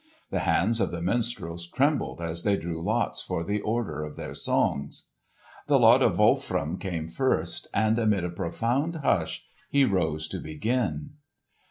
The hands of the minstrels trembled as they drew lots for the order of their songs. The lot of Wolfram came first, and amid a profound hush he rose to begin.